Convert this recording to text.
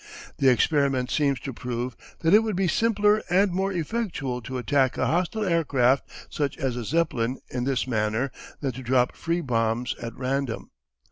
The experiment seems to prove that it would be simpler and more effectual to attack a hostile aircraft such as a Zeppelin in this manner than to drop free bombs at random.